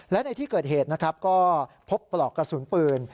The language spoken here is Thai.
และในที่เกิดเหตุนะครับก็พบปลอกกระสุนปืน